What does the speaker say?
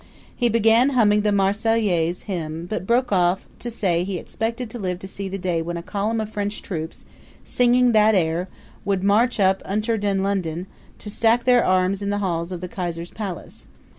He began humming the Marseillaise hymn, but broke off to say he expected to live to see the day when a column of French troops, singing that air, would march up Unter den Linden to stack their arms in the halls of the Kaiser's palace.